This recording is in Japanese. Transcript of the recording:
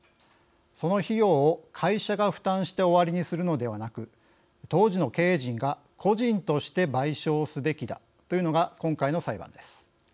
その費用を会社が負担して終わりにするのではなく当時の経営陣が個人として賠償すべきだというのが今回の裁判です。